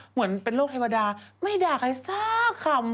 เหมือนเป็นโรคเทวดาไม่ด่าใครสักคำ